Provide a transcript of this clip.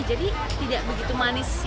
jadi tidak begitu manisnya ya